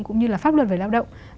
cũng như là pháp luật về lao động